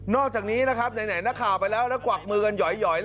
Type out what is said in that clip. อกจากนี้นะครับไหนนักข่าวไปแล้วแล้วกวักมือกันหย่อย